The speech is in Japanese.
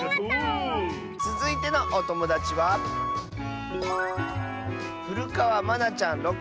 つづいてのおともだちはまなちゃんの。